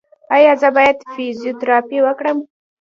ایا زه باید فزیوتراپي وکړم؟